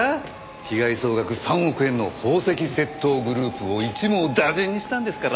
被害総額３億円の宝石窃盗グループを一網打尽にしたんですから。